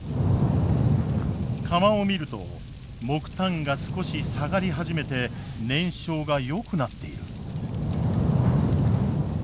釜を見ると木炭が少し下がり始めて燃焼がよくなっている。